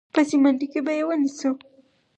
په سمینټو کې به یې ونیسو.